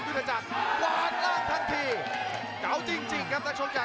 ประเภทมัยยังอย่างปักส่วนขวา